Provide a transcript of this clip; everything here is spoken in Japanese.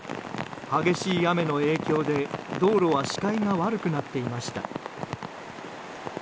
激しい雨の影響で、道路は視界が悪くなっていました。